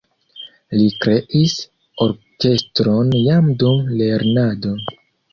Li kreis orkestron jam dum lernado.